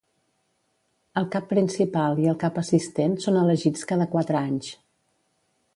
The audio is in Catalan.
El Cap Principal i el Cap Assistent són elegits cada quatre anys.